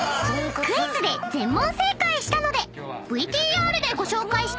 ［クイズで全問正解したのでＶＴＲでご紹介した］